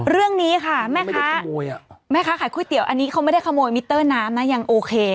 เรื่องนี้ค่ะแม่ค้าแม่ค้าขายก๋วยเตี๋ยวอันนี้เขาไม่ได้ขโมยมิเตอร์น้ำนะยังโอเค